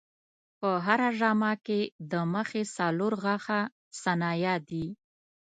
په هره ژامه کې د مخې څلور غاښه ثنایا دي.